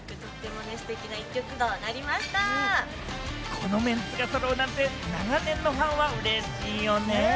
このメンツがそろうなんて、長年のファンはうれしいよね。